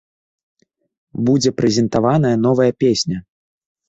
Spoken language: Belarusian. Будзе прэзентаваная новая песня.